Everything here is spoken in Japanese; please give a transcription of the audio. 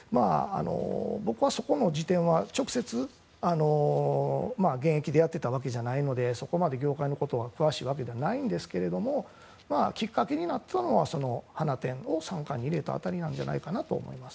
僕は、そこの時点では直接、現役でやっていたわけじゃないのでそこまで業界のことが詳しいわけではないんですがきっかけになったのはハナテンを傘下に入れた辺りではと思います。